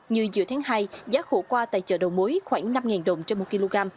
như giữa tháng hai giá khổ qua tại chợ đầu mối khoảng năm đồng trên một kg